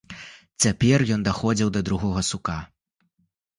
Цяпер ён даходзіў да другога сука.